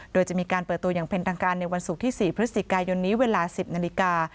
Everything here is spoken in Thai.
โดยจะมีการเปิดตัวอย่างเป็นทางการในวันศุกร์ที่๔พฤศจิกายนนี้เวลา๑๐นาฬิกา